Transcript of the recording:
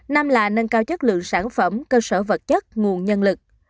năm là nâng cao chất lượng sản phẩm cơ sở vật chất nguồn nhân lực